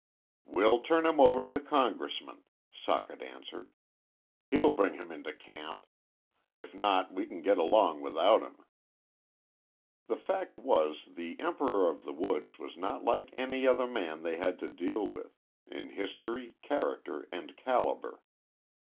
"We'll turn him over to the Congressman," Socket answered. "He'll bring him into camp. If not we can get along without him." The fact was the "Emperor of the Woods" was not like any other man they had to deal with in history, character, and caliber.